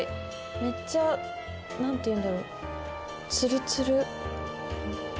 めっちゃ何て言うんだろうツルツル。